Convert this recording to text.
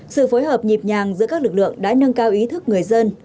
sự phối hợp nhịp nhàng giữa các lực lượng đã nâng cao ý thức người dân